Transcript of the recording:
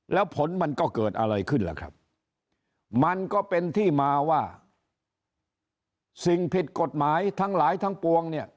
แล้วผลมันก็เกิดอะไรขึ้นล่ะครับมันก็เป็นที่มาว่าสิ่งผิดกฎหมายทั้งหลายทั้งปวงเนี่ย